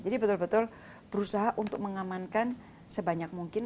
jadi betul betul berusaha untuk mengamankan sebanyak mungkin